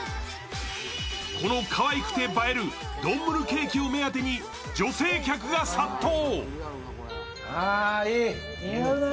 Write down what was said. このかわいくて映えるドンムルケーキを目当てに女性客が殺到！